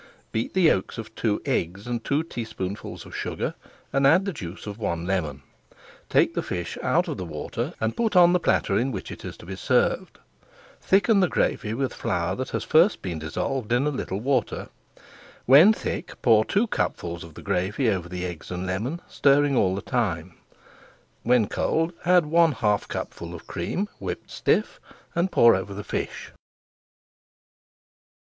Beat the yolks of two eggs and two teaspoonfuls of sugar, and add the juice of one lemon. Take the fish out of the water, and put on the platter in which it is to be served. Thicken the gravy with flour that has first been dissolved in a little water. When thick, pour two cupfuls of the gravy over the eggs and lemon, stirring all the time. When cold, add one half cupful of cream whipped stiff, and pour over the fish.